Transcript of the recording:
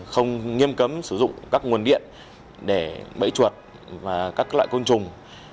không nghiêm cấm sử dụng các nguồn điện để bẫy chuột và các loại côn trùng